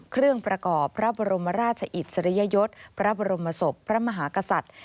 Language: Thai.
เครื่องประกอบพระบรมราชอิสริยยศพระบรมศพพระมหากษัตริย์